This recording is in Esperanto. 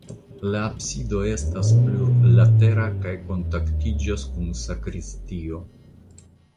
La absido estas plurlatera kaj kontaktiĝas kun sakristio.